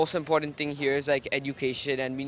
saya pikir yang paling penting di sini adalah pendidikan